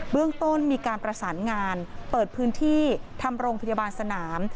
เรื่องต้นมีการประสานงานเปิดพื้นที่ทำโรงพยาบาลสนาม